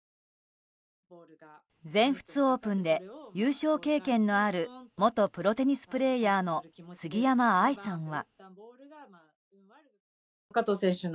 全仏オープンで優勝経験のある元プロテニスプレーヤーの杉山愛さんは。